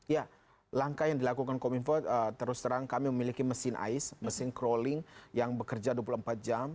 ya langkah yang dilakukan kominfo terus terang kami memiliki mesin ais mesin crawling yang bekerja dua puluh empat jam